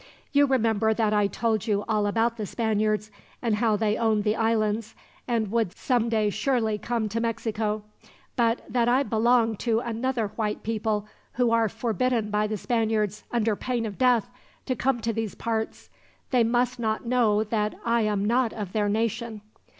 You remember that I told you all about the Spaniards, and how they owned the islands, and would some day surely come to Mexico; but that I belong to another white people, who are forbidden by the Spaniards, under pain of death, to come to these parts. They must not know that I am not of their nation.